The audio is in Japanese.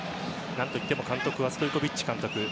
何といっても監督はストイコヴィッチ監督。